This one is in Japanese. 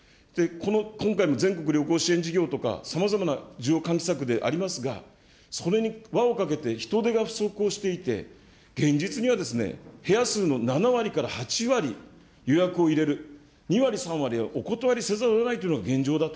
今回も全国旅行支援事業とか、さまざまな需要喚起策でありますが、それに輪をかけて人手が不足していて、現実には部屋数の７割から８割予約を入れる、２割、３割はお断りせざるをえないというのが現状だと。